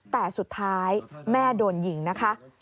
แต่สุดท้ายแม่โดนยิงนะคะ